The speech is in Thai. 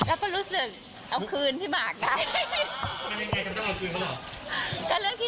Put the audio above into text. และก็รู้สึกว่าขืนพี่บากส์ได้